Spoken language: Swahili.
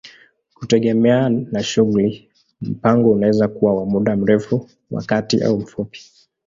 Kutegemea na shughuli, mpango unaweza kuwa wa muda mrefu, wa kati au mfupi.